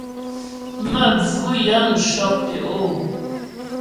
Məvʉ́ yə̂ŋ cɔ́k tə̀'ó.